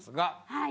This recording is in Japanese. はい。